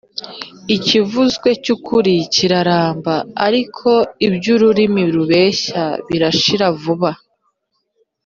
ikivuzwe cy’ukuri kiraramba, ariko iby’ururimi rubeshya bishira vuba